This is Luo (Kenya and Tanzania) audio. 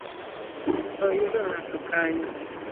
Oyudo ng’ato kanyo?